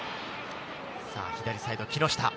左サイド、木下。